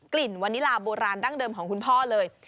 วันนิลาโบราณดั้งเดิมของคุณพ่อเลย